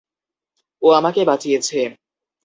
ও আমাকে বাঁচিয়েছে।